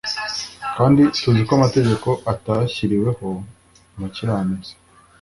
kandi tuzi ko amategeko atashyiriweho umukiranutsi